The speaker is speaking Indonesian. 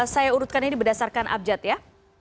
saya urutkan ini berdasarkan abjad ya